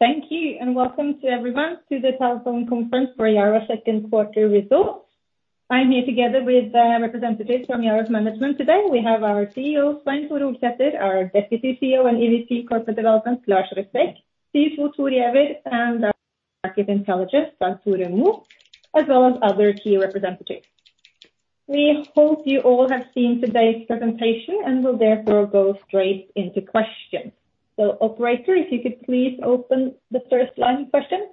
Thank you. Welcome to everyone to the telephone conference for Yara's second quarter results. I'm here together with representatives from Yara's management today. We have our CEO, Svein Tore Holsether, our Deputy CEO and EVP Corporate Development, Lars Røsæg, CFO, Thor Giæver, and our Market Intelligence, Hans Olav Mørk, as well as other key representatives. We hope you all have seen today's presentation, and will therefore go straight into questions. Operator, if you could please open the first line of question?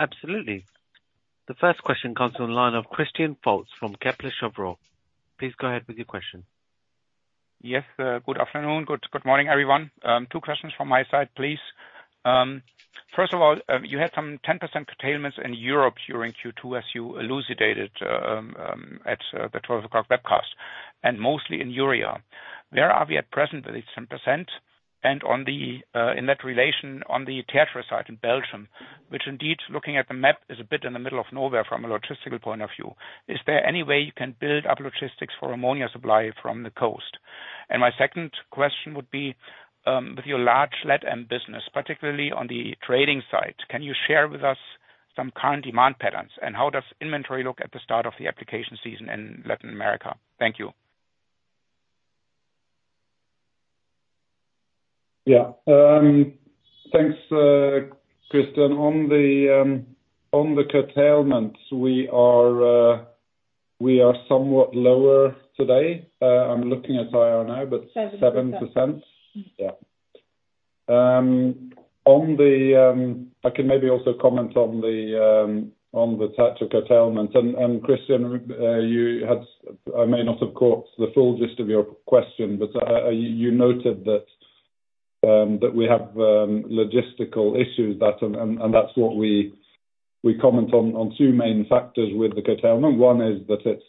Absolutely. The first question comes on the line of Christian Færgestad from Kepler Cheuvreux. Please go ahead with your question. Yes, good afternoon. Good morning, everyone. two questions from my side, please. First of all, you had some 10% curtailments in Europe during Q2, as you elucidated at the 12:00 webcast, and mostly in Urea. Where are we at present with this 10%? On that relation, on the Tertre site in Belgium, which indeed, looking at the map, is a bit in the middle of nowhere from a logistical point of view. Is there any way you can build up logistics for Ammonia supply from the coast? My second question would be, with your large LatAm business, particularly on the trading side, can you share with us some current demand patterns, and how does inventory look at the start of the application season in Latin America? Thank you. Yeah, thanks, Christian. On the, on the curtailment, we are, we are somewhat lower today. I'm looking at Yara now. 7%. 7%, yeah. I can maybe also comment on the type of curtailment, and Christian, you had, I may not have caught the full gist of your question, but you noted that we have logistical issues, that's, and that's what we comment on two main factors with the curtailment. One is that it's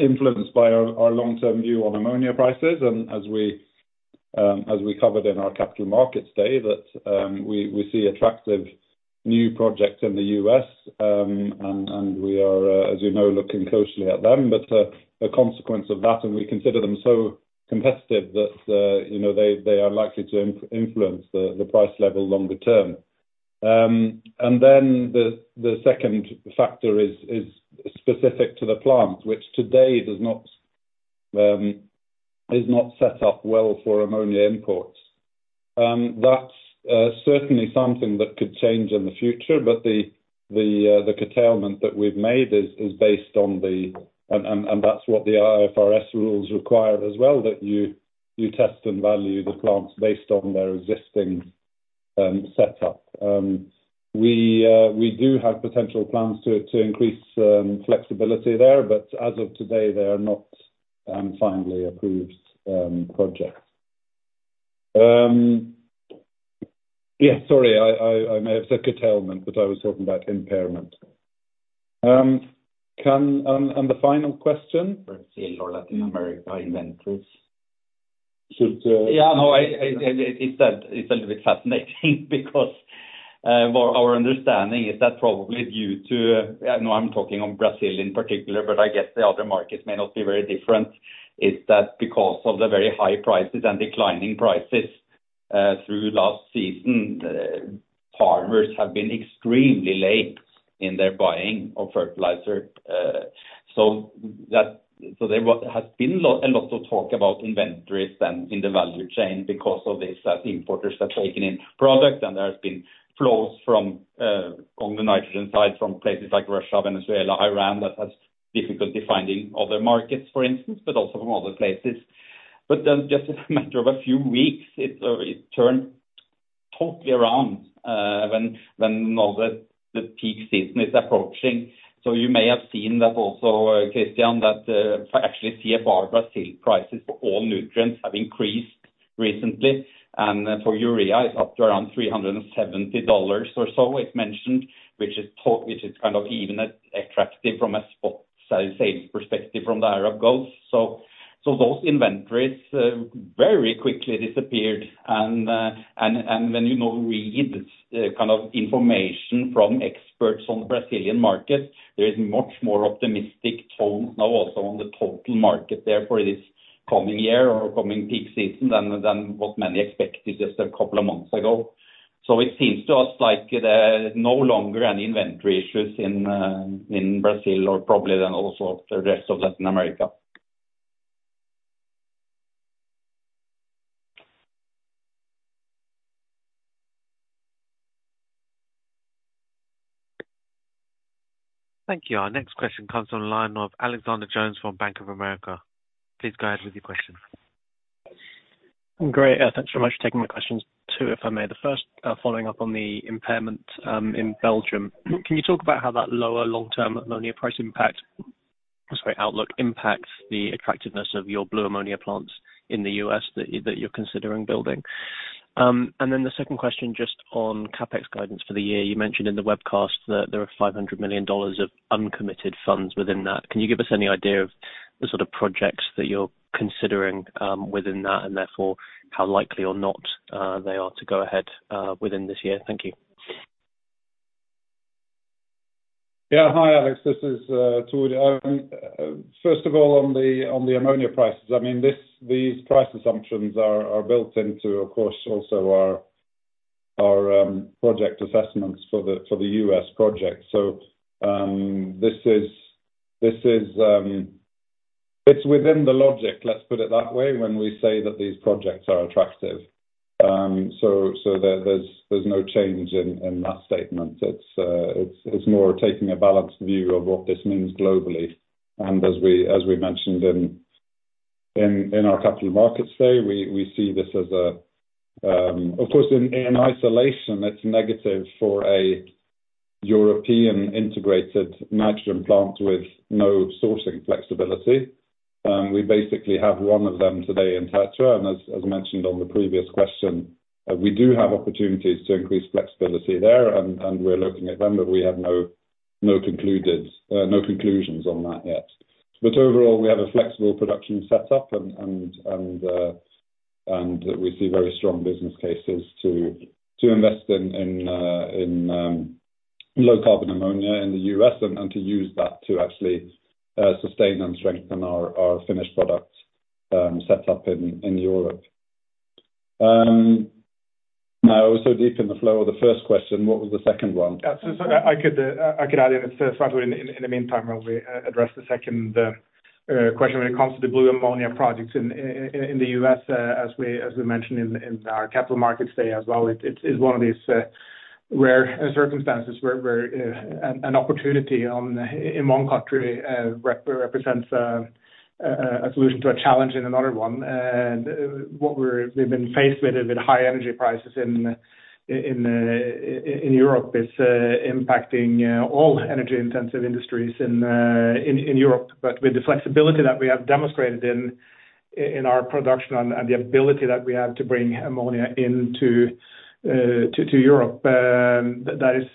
influenced by our long-term view on ammonia prices, and as we covered in our capital markets day, that we see attractive new projects in the U.S., and we are, as you know, looking closely at them. A consequence of that, and we consider them so competitive that, you know, they are likely to influence the price level longer term. The, the second factor is specific to the plant, which today does not, is not set up well for ammonia imports. That's certainly something that could change in the future, but the curtailment that we've made is based on the. That's what the IFRS rules require as well, that you test and value the plants based on their existing setup. We do have potential plans to increase flexibility there, but as of today, they are not finally approved projects. Yeah, sorry, I may have said curtailment, but I was talking about impairment. The final question? Brazil or Latin America inventories. Should Yeah, no, I, it's a little bit fascinating because, well, our understanding is that probably due to, I know I'm talking on Brazil in particular, but I guess the other markets may not be very different, is that because of the very high prices and declining prices, through last season, farmers have been extremely late in their buying of fertilizer. There has been a lot of talk about inventories than in the value chain because of this, as importers have taken in product, and there's been flows from on the nitrogen side, from places like Russia, Venezuela, Iran, that has difficulty finding other markets, for instance, but also from other places. Just a matter of a few weeks, it turned totally around when now that the peak season is approaching. You may have seen that also, Christian, that actually CFR Brazil prices for all nutrients have increased recently. For Urea is up to around $370 or so. It's mentioned, which is kind of even as attractive from a spot sale perspective from the Arab Gulf. Those inventories very quickly disappeared, and when, you know, we get kind of information from experts on the Brazilian markets, there is much more optimistic tone now also on the total market there for this coming year or coming peak season, than what many expected just a couple of months ago. It seems to us like there are no longer any inventory issues in Brazil or probably then also the rest of Latin America. Thank you. Our next question comes on the line of Alexander Jones from Bank of America. Please go ahead with your question. Great. Thanks so much for taking my questions, too, if I may. The first, following up on the impairment, in Belgium, can you talk about how that lower long-term ammonia price outlook impacts the attractiveness of your blue ammonia plants in the U.S. that you're considering building? The second question, just on CapEx guidance for the year. You mentioned in the webcast that there are $500 million of uncommitted funds within that. Can you give us any idea of the sort of projects that you're considering within that, and therefore, how likely or not, they are to go ahead within this year? Thank you. Yeah. Hi, Alex, this is Tord. First of all, on the ammonia prices, I mean, these price assumptions are built into, of course, also our project assessments for the U.S. project. This is, it's within the logic, let's put it that way, when we say that these projects are attractive. So there's no change in that statement. It's more taking a balanced view of what this means globally. As we mentioned in our capital markets day, we see this as a- Of course, in isolation, it's negative for a European integrated nitrogen plant with no sourcing flexibility. We basically have one of them today in Tertre, as mentioned on the previous question, we do have opportunities to increase flexibility there, and we're looking at them, but we have no concluded, no conclusions on that yet. Overall, we have a flexible production set up, and we see very strong business cases to invest in low-carbon ammonia in the U.S. and to use that to actually sustain and strengthen our finished products set up in Europe. I was so deep in the flow of the first question. What was the second one? Yeah, I could add in it, Svein Tore Holsether, in the meantime, while we address the second question. When it comes to the blue ammonia projects in the U.S., as we mentioned in our capital markets day as well, it's one of these rare circumstances where an opportunity in one country represents a solution to a challenge in another one. What we've been faced with is high energy prices in Europe. It's impacting all energy-intensive industries in Europe. With the flexibility that we have demonstrated in our production and the ability that we have to bring ammonia into Europe, that is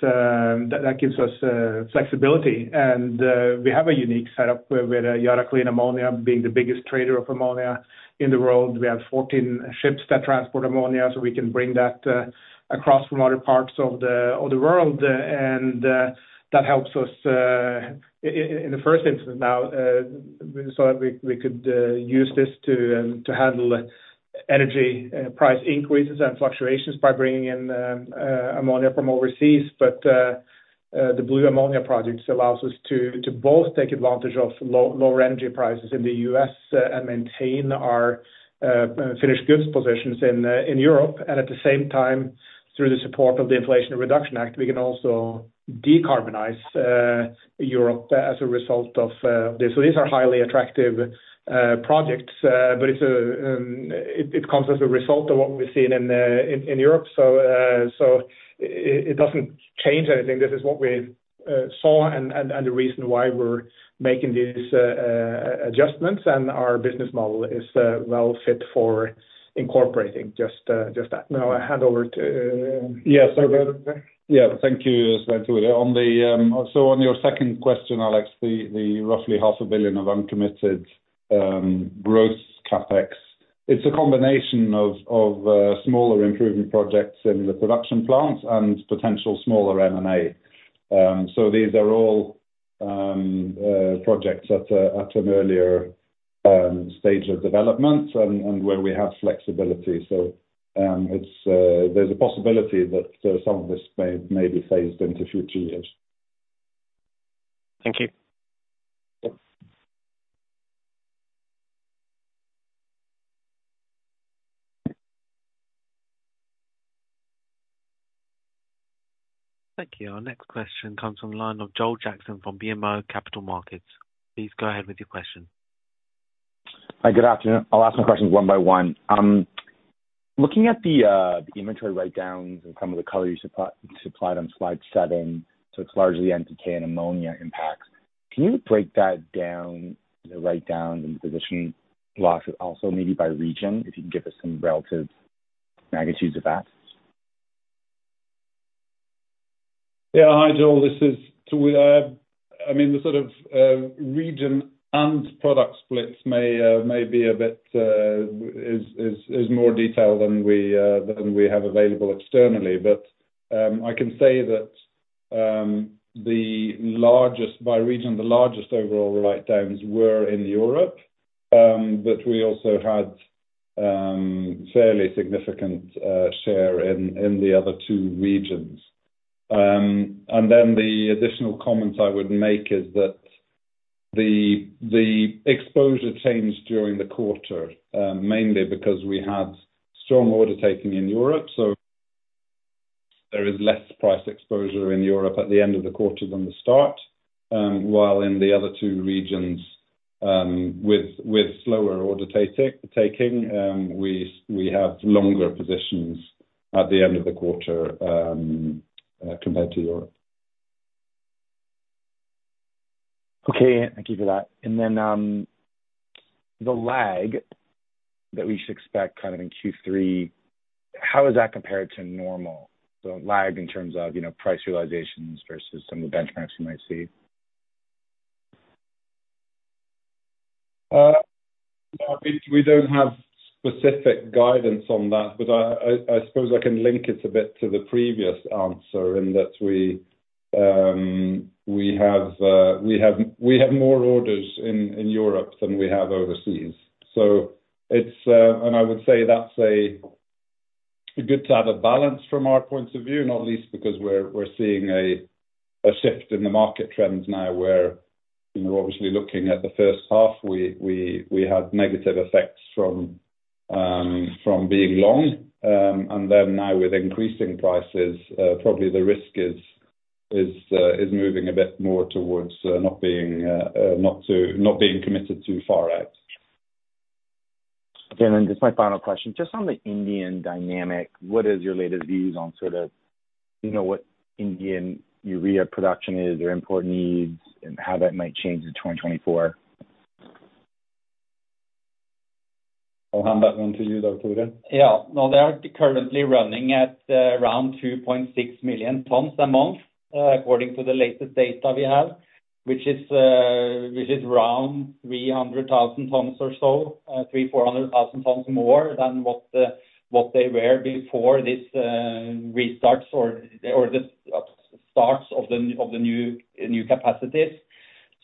that gives us flexibility. We have a unique setup with Yara Clean Ammonia being the biggest trader of ammonia in the world. We have 14 ships that transport ammonia, so we can bring that across from other parts of the world. That helps us in the first instance now so that we could use this to handle energy price increases and fluctuations by bringing in ammonia from overseas. The blue ammonia projects allows us to both take advantage of lower energy prices in the U.S. and maintain our finished goods positions in Europe. At the same time, through the support of the Inflation Reduction Act, we can also decarbonize Europe as a result of this. These are highly attractive projects, but it comes as a result of what we've seen in Europe. It doesn't change anything. This is what we saw and the reason why we're making these adjustments, and our business model is well fit for incorporating just that. I hand over to. Yeah, thank you, Svein Tore Holsether. On your second question, Alex, the roughly half a billion of uncommitted, gross CapEx, it's a combination of smaller improvement projects in the production plants and potential smaller M&A. These are all projects at an earlier stage of development and where we have flexibility. It's there's a possibility that some of this may be phased into future years. Thank you. Yep. Thank you. Our next question comes from the line of Joel Jackson from BMO Capital Markets. Please go ahead with your question. Hi, good afternoon. I'll ask my questions one by one. Looking at the inventory writedowns and some of the color you supplied on slide seven, it's largely NPK and ammonia impacts. Can you break that down, the writedowns and the positioning losses, also maybe by region, if you can give us some relative magnitudes of that? Yeah. Hi, Joel, this is Tord. I mean, the sort of, region and product splits may be a bit, is more detailed than we, than we have available externally. I can say that, the largest, by region, the largest overall writedowns were in Europe, but we also had, fairly significant, share in the other two regions. Then the additional comments I would make is that the exposure changed during the quarter, mainly because we had strong order taking in Europe, so there is less price exposure in Europe at the end of the quarter than the start. In the other two regions, with slower order taking, we have longer positions at the end of the quarter, compared to Europe. Okay, thank you for that. The lag that we should expect kind of in Q3, how is that compared to normal? Lag in terms of, you know, price realizations versus some of the benchmarks you might see. We, we don't have specific guidance on that, but I suppose I can link it a bit to the previous answer, in that we have more orders in Europe than we have overseas. It's. I would say that's a good to have a balance from our point of view, not least because we're seeing a shift in the market trends now, where, you know, obviously looking at the first half, we had negative effects from being long. Now with increasing prices, probably the risk is moving a bit more towards not being committed too far out. Just my final question, just on the Indian dynamic, what is your latest views on sort of, you know, what Indian urea production is, their import needs, and how that might change in 2024? I'll hand that one to you, though, Tore. Yeah. No, they are currently running at around 2.6 million tons a month, according to the latest data we have, which is around 300,000 tons or so, 300,000-400,000 tons more than what they were before this restarts or the starts of the new capacities.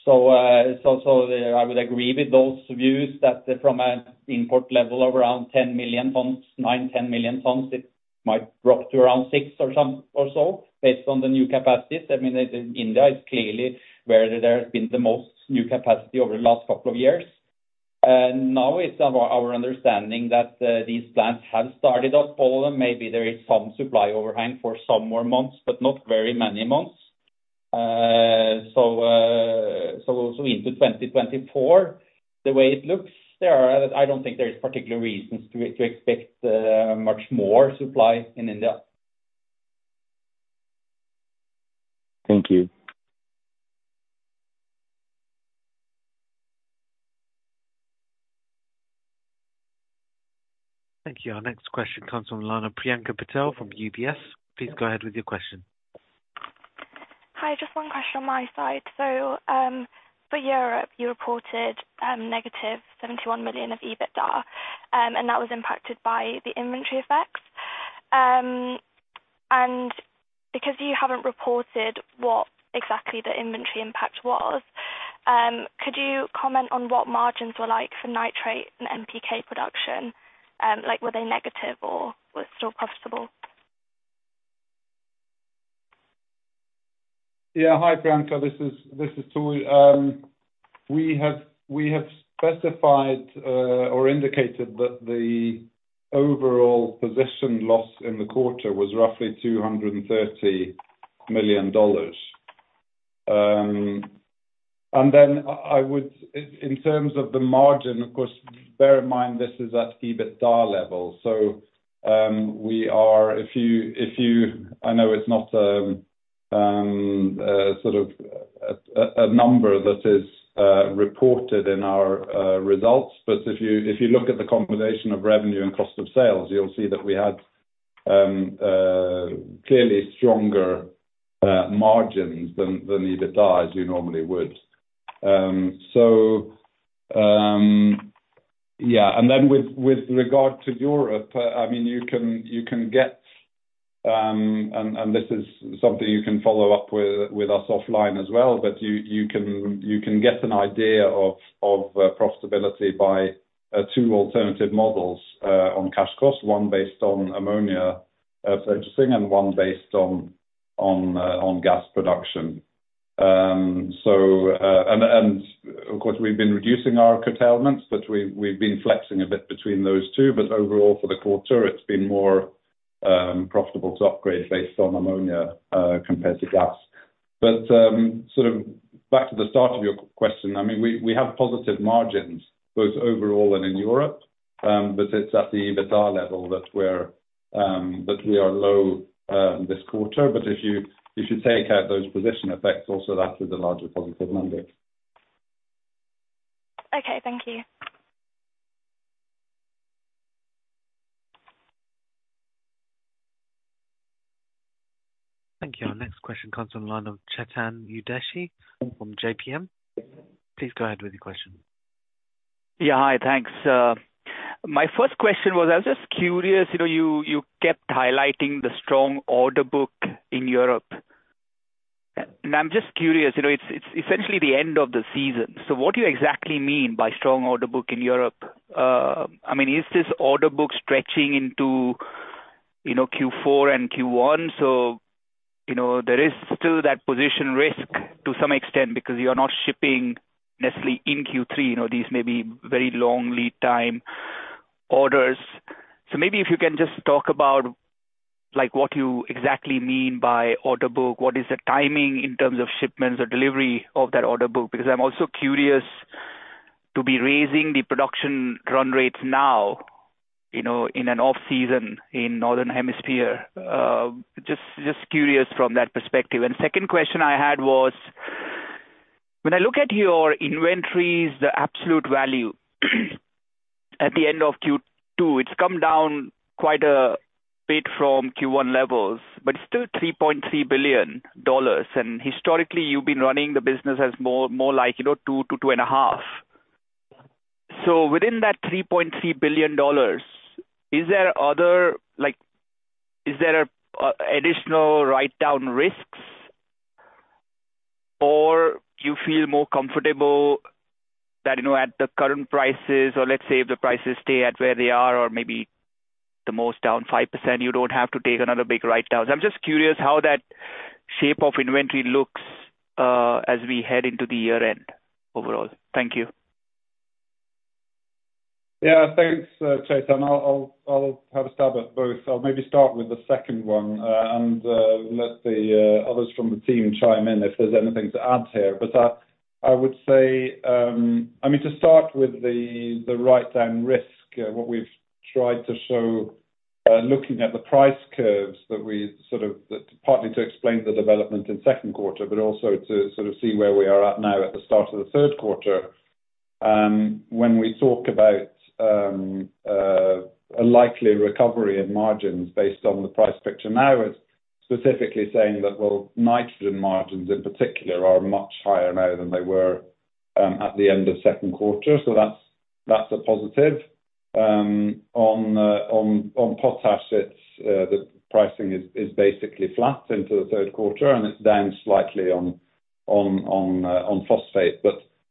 It's also, I would agree with those views, that from an import level of around 10 million tons, 9-10 million tons, it might drop to around 6 or so, based on the new capacities. India is clearly where there has been the most new capacity over the last couple of years. Now it's our understanding that these plants have started up all, and maybe there is some supply overhang for some more months, but not very many months. Into 2024, the way it looks, I don't think there is particular reasons to expect much more supply in India. Thank you. Thank you. Our next question comes from Lana Priyanka Patel from UBS. Please go ahead with your question. Hi, just one question on my side. For Europe, you reported negative $71 million of EBITDA, and that was impacted by the inventory effects. Because you haven't reported what exactly the inventory impact was, could you comment on what margins were like for nitrate and NPK production? Like were they negative or was it still profitable? Hi, Priyanka, this is Tord. We have specified or indicated that the overall position loss in the quarter was roughly $230 million. I would, in terms of the margin, of course, bear in mind, this is at EBITDA level. We are, if you, I know it's not a sort of, a number that is reported in our results, but if you look at the combination of revenue and cost of sales, you'll see that we had clearly stronger margins than EBITDA, as you normally would. Yeah, and then with regard to Europe, I mean, you can get, and this is something you can follow up with us offline as well, but you can get an idea of profitability by two alternative models on cash costs, one based on ammonia purchasing, and one based on gas production. And of course, we've been reducing our curtailments, but we've been flexing a bit between those two, but overall for the quarter, it's been more profitable to upgrade based on ammonia compared to gas. Sort of back to the start of your question, I mean, we have positive margins both overall and in Europe, but it's at the EBITDA level that we are low, this quarter. If you take out those position effects, also that is a larger positive number. Okay, thank you. Thank you. Our next question comes on the line of Chetan Udeshi from J.P. Morgan Please go ahead with your question. Yeah. Hi, thanks. My first question was, I was just curious, you know, you kept highlighting the strong order book in Europe, and I'm just curious, you know, it's essentially the end of the season, so what do you exactly mean by strong order book in Europe? I mean, is this order book stretching into, you know, Q4 and Q1? You know, there is still that position risk to some extent, because you are not shipping necessarily in Q3, you know, these may be very long lead time orders. Maybe if you can just talk about, like, what you exactly mean by order book. What is the timing in terms of shipments or delivery of that order book? Because I'm also curious to be raising the production run rates now, you know, in an off-season in Northern Hemisphere. Just curious from that perspective. Second question I had was, when I look at your inventories, at the end of Q2, it's come down quite a bit from Q1 levels, but it's still $3.3 billion, and historically, you've been running the business as more like, you know, $2 billion-$2.5 billion. Within that $3.3 billion, like, is there a additional write-down risks? You feel more comfortable that, you know, at the current prices, or let's say if the prices stay at where they are or maybe the most down 5%, you don't have to take another big write-down. I'm just curious how that shape of inventory looks as we head into the year end overall. Thank you. Yeah, thanks, Chetan. I'll have a stab at both. I'll maybe start with the second one, and let the others from the team chime in if there's anything to add here. I would say, I mean, to start with the write-down risk, what we've tried to show, looking at the price curves, that we sort of, that partly to explain the development in second quarter, but also to sort of see where we are at now at the start of the third quarter. When we talk about a likely recovery in margins based on the price picture, now it's specifically saying that, well, nitrogen margins in particular are much higher now than they were at the end of second quarter, so that's a positive. On the potash, it's the pricing is basically flat into the Q3, and it's down slightly on phosphate.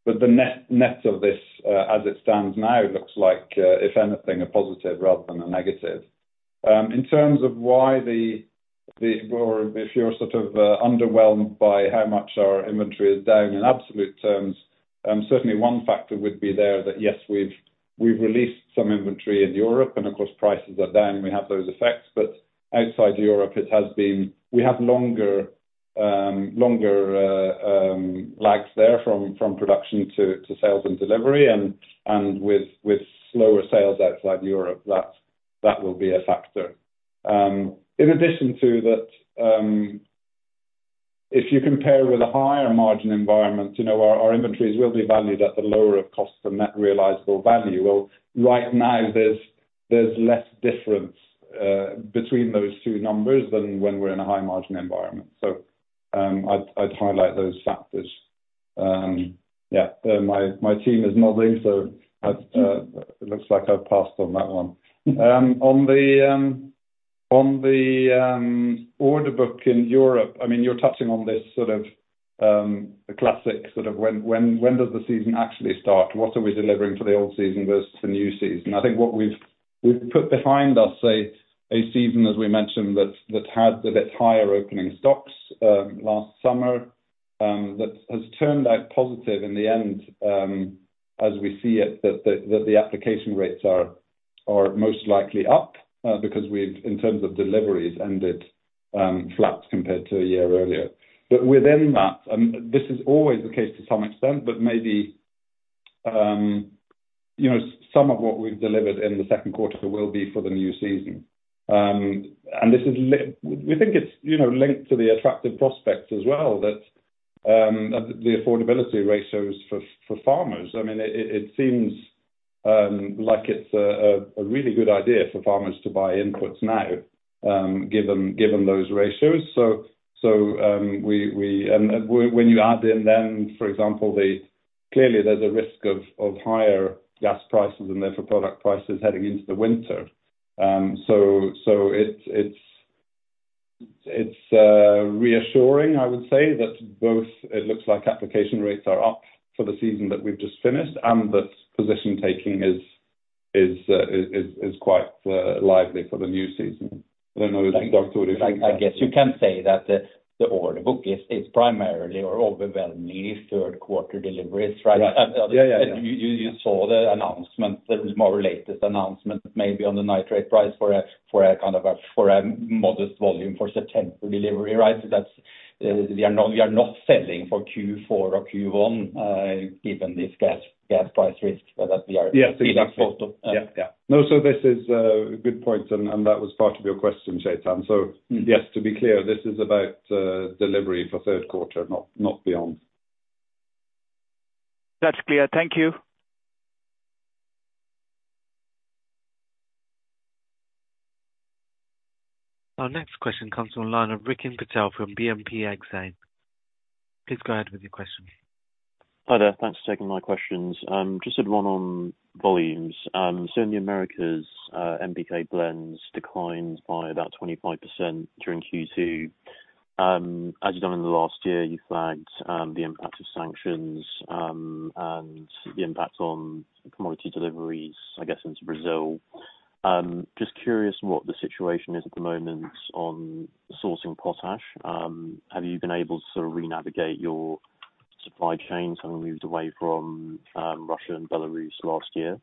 The net of this as it stands now, looks like if anything, a positive rather than a negative. In terms of why the, or if you're sort of underwhelmed by how much our inventory is down, in absolute terms, certainly one factor would be there that, yes, we've released some inventory in Europe, and of course, prices are down. We have those effects, but outside Europe, we have longer lags there from production to sales and delivery, and with slower sales outside Europe, that will be a factor. In addition to that, if you compare with a higher margin environment, you know, our inventories will be valued at the lower of cost and net realizable value. Well, right now, there's less difference between those two numbers than when we're in a high-margin environment. I'd highlight those factors. Yeah, my team is nodding, it looks like I've passed on that one. On the order book in Europe, I mean, you're touching on this sort of the classic sort of when does the season actually start? What are we delivering for the old season versus the new season? I think what we've put behind us a season, as we mentioned, that had a bit higher opening stocks last summer. That has turned out positive in the end, as we see it, that the application rates are most likely up, because we've, in terms of deliveries, ended flat compared to a year earlier. Within that, and this is always the case to some extent, but maybe, you know, some of what we've delivered in the second quarter will be for the new season. And this is we think it's, you know, linked to the attractive prospects as well, that the affordability ratios for farmers. I mean, it seems like it's a really good idea for farmers to buy inputs now, given those ratios. We, when you add in then, for example, the- Clearly, there's a risk of higher gas prices and therefore product prices heading into the winter. It's reassuring, I would say, that both it looks like application rates are up for the season that we've just finished, and that position taking is quite lively for the new season. I don't know if Tore, what you think? I guess you can say that the order book is primarily or overwhelmingly third quarter deliveries, right? Right. Yeah, yeah. You saw the announcement, the more latest announcement, maybe on the nitrate price for a kind of a modest volume for September delivery, right? That's we are not selling for Q4 or Q1 given this gas price risk, but that we are. Yes, exactly. Yeah. This is a good point, and that was part of your question, Chetan. Yes, to be clear, this is about delivery for third quarter, not beyond. That's clear. Thank you. Our next question comes from the line of Rikin Patel from BNP Paribas Exane. Please go ahead with your question. Hi there. Thanks for taking my questions. Just one on volumes. So in the Americas, NPK blends declined by about 25% during Q2. As you done in the last year, you flagged the impact of sanctions and the impact on commodity deliveries, I guess, into Brazil. Just curious what the situation is at the moment on sourcing potash. Have you been able to sort of renavigate your supply chains, having moved away from Russia and Belarus last year?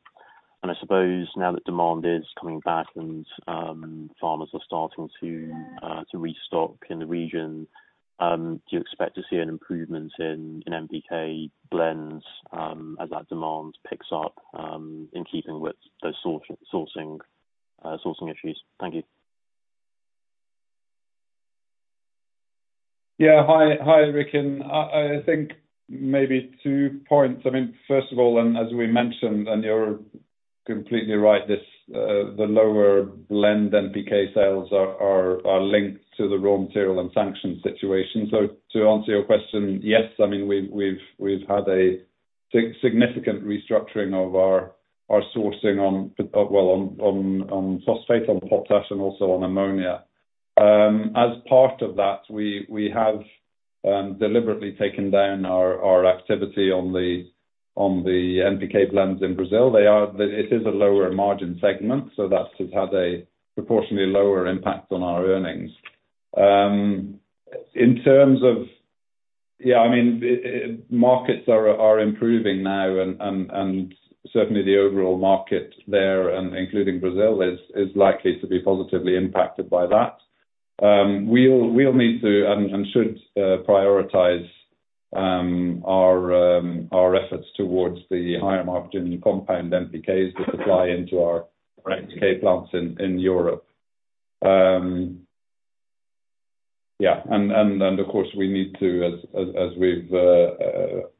I suppose now that demand is coming back and farmers are starting to restock in the region, do you expect to see an improvement in NPK blends as that demand picks up in keeping with those sort sourcing issues? Thank you. Yeah. Hi, Rick, I think maybe two points. I mean, first of all, as we mentioned, and you're completely right, this, the lower lend NPK sales are linked to the raw material and sanction situation. To answer your question, yes, I mean, we've had a significant restructuring of our sourcing on, well, on phosphate, on potash, and also on ammonia. As part of that, we have deliberately taken down our activity on the NPK blends in Brazil. It is a lower margin segment, that's just had a proportionally lower impact on our earnings. In terms of- Yeah, I mean, markets are improving now, and certainly the overall market there, and including Brazil, is likely to be positively impacted by that. We'll need to, and should prioritize our efforts towards the higher margin compound NPKs that supply into our NPK plants in Europe. Yeah, of course, we need to as we've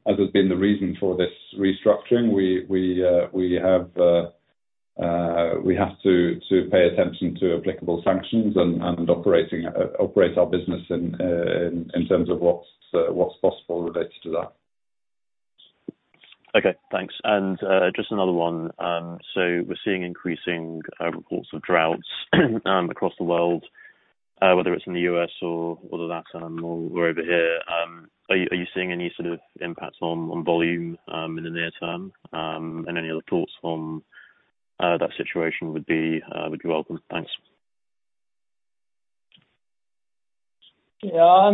as has been the reason for this restructuring, we have to pay attention to applicable sanctions and operating operate our business in terms of what's possible related to that. Okay, thanks. Just another one. We're seeing increasing reports of droughts across the world, whether it's in the U.S. or whether that's or over here. Are you seeing any sort of impacts on volume in the near term? Any other thoughts on that situation would be welcome? Thanks. Yeah,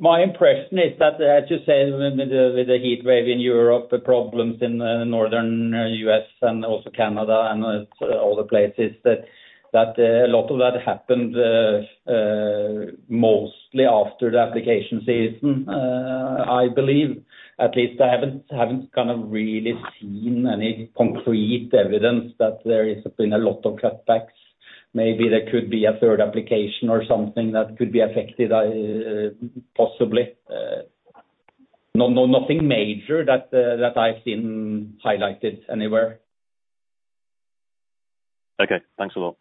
my impression is that, as you said, with the heatwave in Europe, the problems in the northern U.S. and also Canada and other places, that a lot of that happened mostly after the application season. I believe, at least I haven't kind of really seen any concrete evidence that there has been a lot of cutbacks. Maybe there could be a third application or something that could be affected, possibly, nothing major that I've seen highlighted anywhere. Okay. Thanks a lot.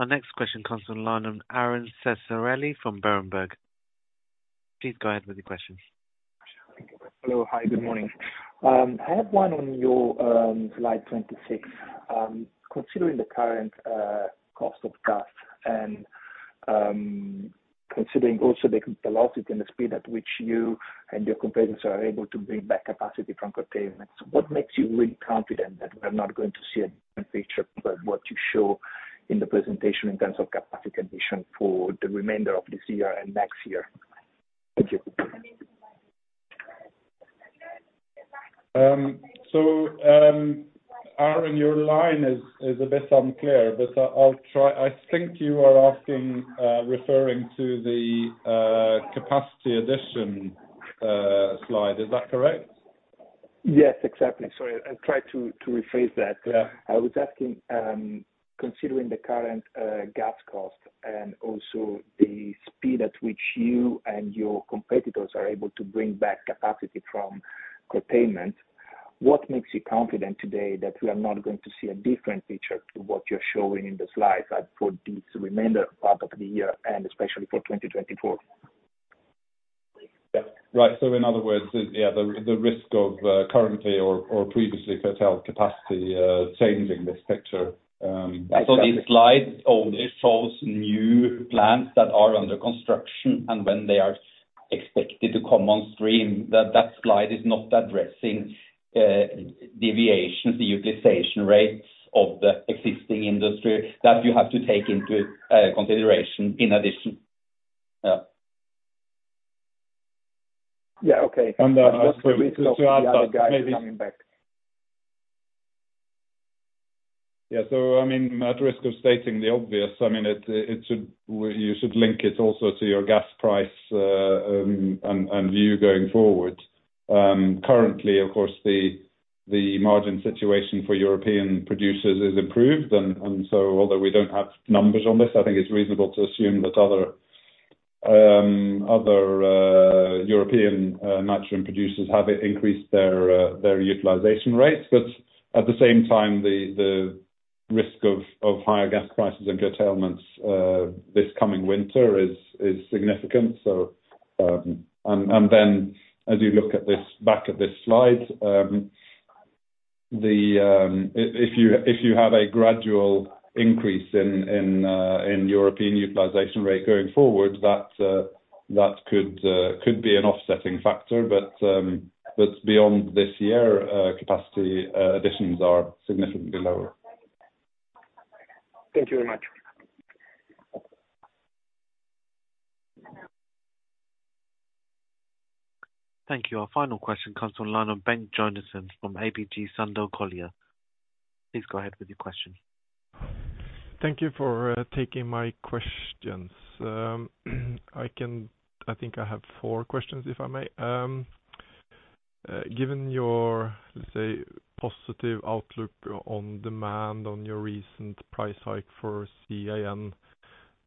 Our next question comes on line from Aron Ceccarelli from Berenberg. Please go ahead with your question. Hello. Hi, good morning. I have one on your slide 26. Considering the current cost of gas and considering also the velocity and the speed at which you and your competitors are able to bring back capacity from curtailments, what makes you really confident that we're not going to see a different picture from what you show in the presentation in terms of capacity condition for the remainder of this year and next year? Thank you. Aaron, your line is a bit unclear, but I'll try. I think you are asking, referring to the capacity addition, slide. Is that correct? Yes, exactly. Sorry, I'll try to rephrase that. Yeah. I was asking, considering the current gas cost and also the speed at which you and your competitors are able to bring back capacity from curtailment, what makes you confident today that we are not going to see a different picture to what you're showing in the slides at, for this remainder part of the year and especially for 2024? Yeah. Right. In other words, the, yeah, the risk of currently or previously curtailed capacity changing this picture. This slide only shows new plants that are under construction and when they are expected to come on stream. That slide is not addressing deviations, the utilization rates of the existing industry. That you have to take into consideration in addition. Yeah. Yeah. Okay. Just to add that maybe. Coming back. I mean, at risk of stating the obvious, I mean, it should, well, you should link it also to your gas price and view going forward. Currently, of course, the margin situation for European producers is improved, and so although we don't have numbers on this, I think it's reasonable to assume that other European nitrogen producers have increased their utilization rates. At the same time, the risk of higher gas prices and curtailments this coming winter is significant. As you look at this, back at this slide, if you have a gradual increase in European utilization rate going forward, that could be an offsetting factor, but beyond this year, capacity additions are significantly lower. Thank you very much. Thank you. Our final question comes to line on Ben Isaacson from ABG Sundal Collier. Please go ahead with your question. Thank you for taking my questions. I think I have four questions, if I may. Given your, let's say, positive outlook on demand on your recent price hike for CIN,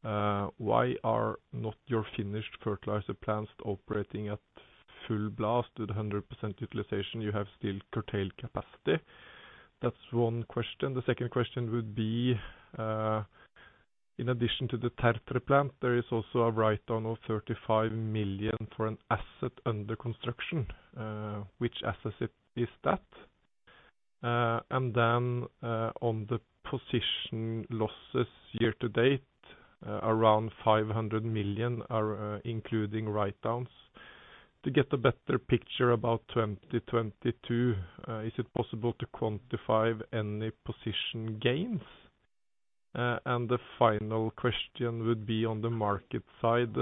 why are not your finished fertilizer plants operating at full blast, at 100% utilization? You have still curtailed capacity. That's one question. The second question would be, in addition to the Tertre plant, there is also a write-down of $35 million for an asset under construction. Which asset is that? Then, on the position losses year to date, around $500 million are including write-downs. To get a better picture about 2022, is it possible to quantify any position gains? The final question would be on the market side.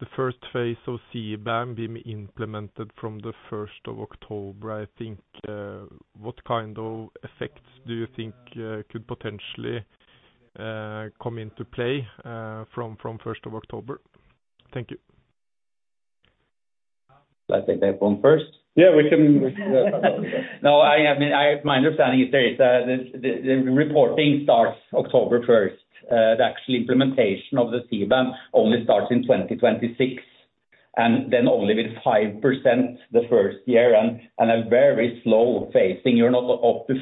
The first phase of CBAM being implemented from the first of October, I think, what kind of effects do you think could potentially come into play from first of October? Thank you. I take that one first? Yeah, we can. No, I mean, I my understanding is there is the reporting starts October first. The actual implementation of the CBAM only starts in 2026, and then only with 5% the first year, and a very slow phasing. You're not up to 50%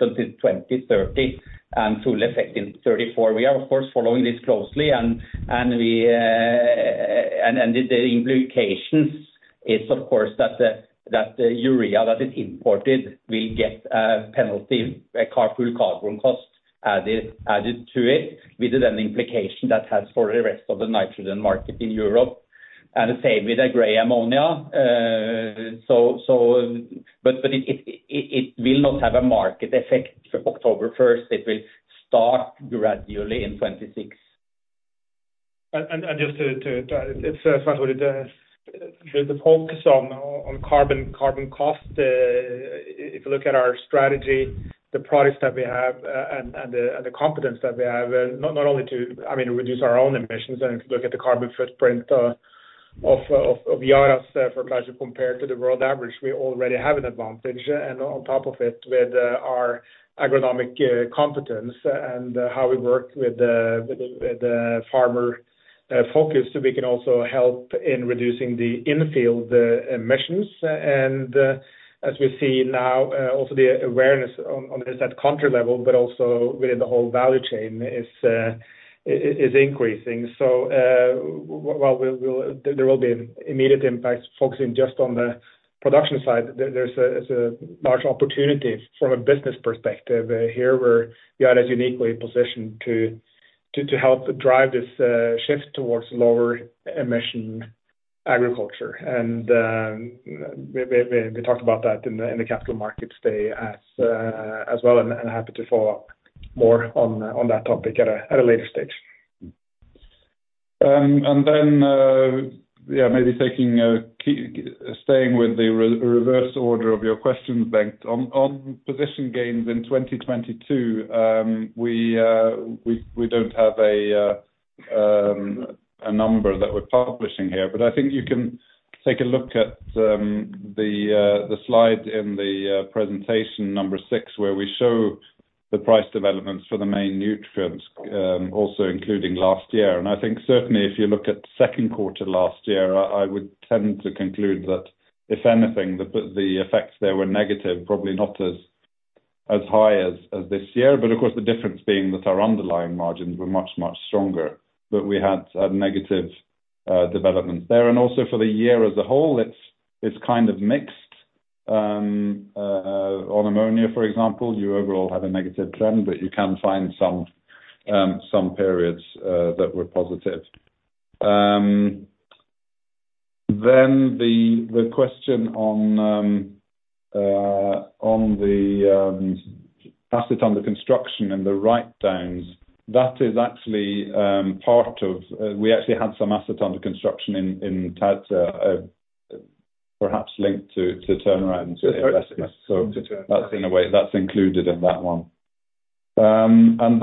until 2030, and full effect in 2034. We are, of course, following this closely, and we and the implications is, of course, that the urea that is imported will get a penalty, a full carbon cost added to it, with an implication that has for the rest of the nitrogen market in Europe, and the same with the gray ammonia. It will not have a market effect October first. It will start gradually in 2026. Just to add, it's with the focus on carbon cost, if you look at our strategy, the products that we have, and the competence that we have, not only to, I mean, reduce our own emissions, and if you look at the carbon footprint of Yara's fertilizer compared to the world average, we already have an advantage. On top of it, with our agronomic competence and how we work with the farmer focus, we can also help in reducing the in-field emissions. As we see now, also the awareness on this, at country level, but also within the whole value chain, is increasing. While there will be immediate impacts focusing just on the production side, there's a large opportunity from a business perspective here, where Yara is uniquely positioned to help drive this shift towards lower emission agriculture. We talked about that in the capital markets day as well, and happy to follow up more on that topic at a later stage. Yeah, maybe staying with the reverse order of your questions, Ben Isaacson, on position gains in 2022, we don't have a number that we're publishing here, but I think you can take a look at the slide in the presentation six, where we show the price developments for the main nutrients, also including last year. I think certainly if you look at Q2 last year, I would tend to conclude that, if anything, the effects there were negative, probably not as high as this year. The difference being that our underlying margins were much stronger, but we had a negative development there. For the year as a whole, it's kind of mixed. On ammonia, for example, you overall have a negative trend, but you can find some periods that were positive. The question on the asset under construction and the write-downs, that is actually part of, we actually had some asset under construction in Tertre, perhaps linked to turnaround. That's in a way, that's included in that one. On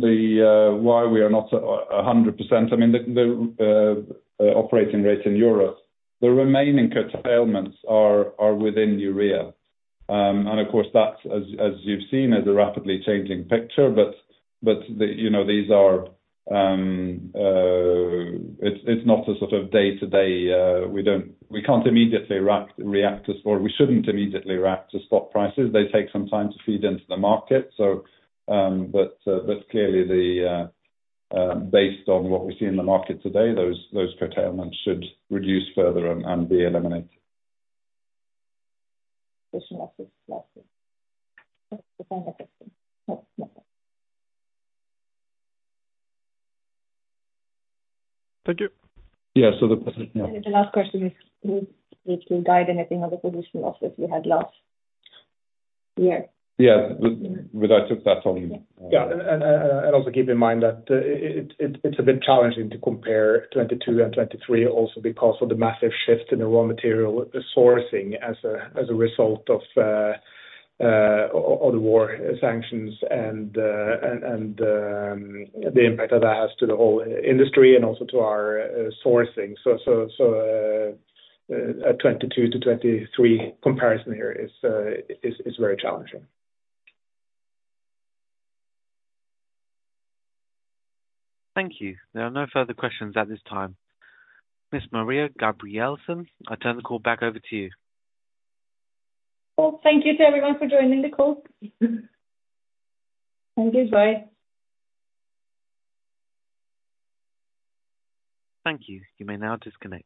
the why we are not 100%, I mean, the operating rates in Europe, the remaining curtailments are within Urea. Of course, that's, as you've seen, is a rapidly changing picture, but, you know, these are, it's not a sort of day-to-day, we can't immediately react, or we shouldn't immediately react to spot prices. They take some time to feed into the market, so, but clearly the, based on what we see in the market today, those curtailments should reduce further and be eliminated. Thank you. Yeah. The last question is, if you guide anything on the position losses you had last year? Yeah, I took that. Also keep in mind that it's a bit challenging to compare 2022 and 2023, also because of the massive shift in the raw material sourcing as a result of the war sanctions and the impact that has to the whole industry and also to our sourcing. A 2022 to 2023 comparison here is very challenging. Thank you. There are no further questions at this time. Ms. Maria Gabrielsen, I turn the call back over to you. Well, thank you to everyone for joining the call. Thank you. Bye. Thank you. You may now disconnect.